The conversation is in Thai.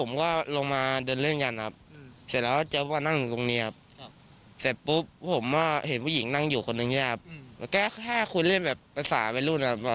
มาทำอะไรนะครับมาขอเบอร์